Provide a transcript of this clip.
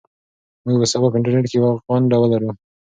موږ به سبا په انټرنيټ کې یوه غونډه ولرو.